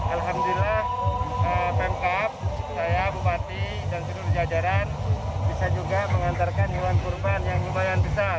alhamdulillah pemkap saya bupati dan seluruh jajaran bisa juga mengantarkan hewan kurban yang lumayan besar